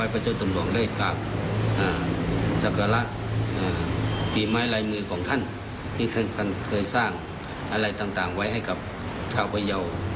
พูดถึงครูบาเจ้าศรีวิชัย